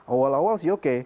awal awal sih oke